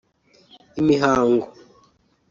Imihango